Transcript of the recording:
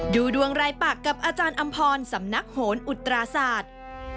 ดูดวงรายปากกับอาจารย์อำพรสำนักโหนอุตราศาสตร์